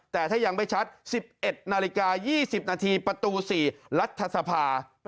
แต่ถ้ายังไม่ชัด๑๑นาฬิกา๒๐นาทีประตู๔รัฐสภา